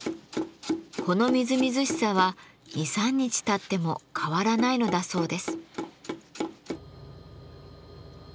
このみずみずしさは２３日たっても変わらないのだそうです。